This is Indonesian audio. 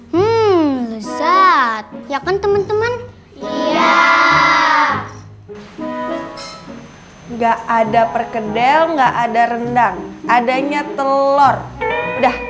hmm lezat ya kan teman teman iya enggak ada perkedel nggak ada rendang adanya telur udah